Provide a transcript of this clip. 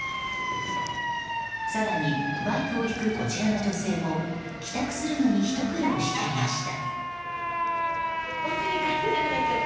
更にバイクを引くこちらの女性も帰宅するのにひと苦労していました。